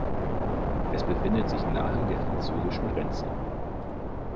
Es befindet sich nahe der französischen Grenze.